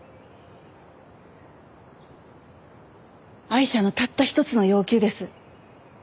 アイシャのたった一つの要求です。